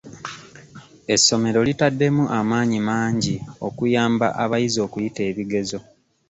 Essomero litaddemu amaanyi mangi okuyamba abayizi okuyita ebigezo.